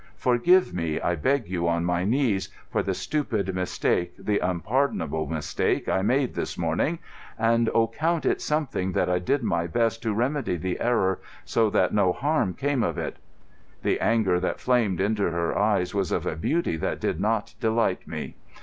Forgive me, I beg you on my knees, for the stupid mistake, the unpardonable mistake I made this morning. And oh, count it something that I did my best to remedy the error, so that no harm came of it." The anger that flamed into her eyes was of a beauty that did not delight me.